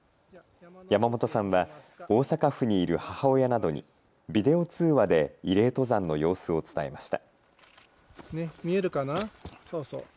山本さんは大阪府にいる母親などにビデオ通話で慰霊登山の様子を伝えました。